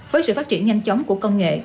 với sự phát triển nhanh chóng của công nghệ